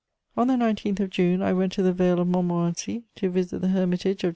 On the 19th of June, I went to the Vale of Montmorency to visit the Hermitage of J.